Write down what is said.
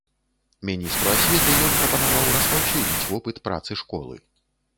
Міністру асветы ён прапанаваў распаўсюдзіць вопыт працы школы.